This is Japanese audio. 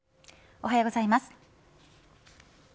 おはようございます。